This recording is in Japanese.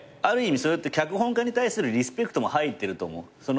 ある意味それって脚本家に対するリスペクトも入ってると思う。